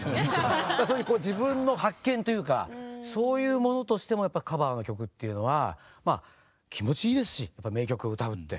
そういう自分の発見というかそういうものとしてもやっぱカバーの曲っていうのは気持ちいいですし名曲を歌うって。